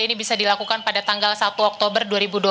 ini bisa dilakukan pada tanggal satu oktober